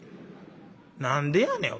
何でやねん。